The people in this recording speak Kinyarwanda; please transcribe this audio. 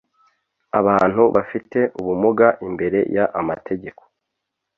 abantu bafite ubumuga imbere y amategeko